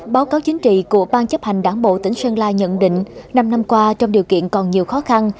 báo cáo chính trị của ban chấp hành đảng bộ tỉnh sơn la nhận định năm năm qua trong điều kiện còn nhiều khó khăn